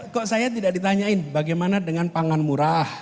kok saya tidak ditanyain bagaimana dengan pangan murah